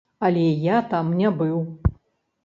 Але я там не быў.